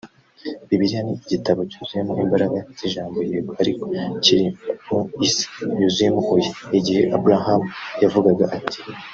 Bibiliya ni igitabo cyuzuyemo imbaraga z'ijambo Yego ariko kiri mu isi yuzuyemo Oya Igihe Abarahamu yavugaga ati